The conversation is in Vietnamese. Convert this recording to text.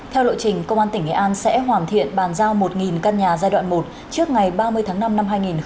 theo lộ trình công an tỉnh nghệ an sẽ hoàn thiện bàn giao một căn nhà giai đoạn một